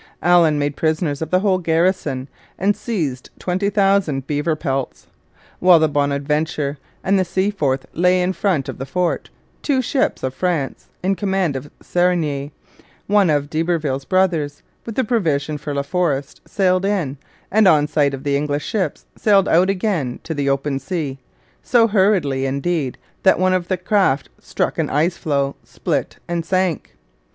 Allen made prisoners of the whole garrison and seized twenty thousand beaver pelts. While the Bonaventure and the Seaforth lay in front of the fort, two ships of France, in command of Serigny, one of d'Iberville's brothers, with provisions for La Forest, sailed in, and on sight of the English ships sailed out again to the open sea so hurriedly, indeed, that one of the craft struck an icefloe, split, and sank.